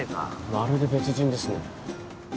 まるで別人ですね。